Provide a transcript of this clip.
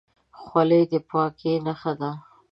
خولۍ د پاکۍ نښه ده.